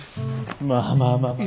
まあまあまあまあ。